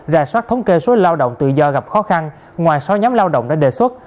ra soát thống kê số lao động tự do gặp khó khăn ngoài sáu nhóm lao động đã đề xuất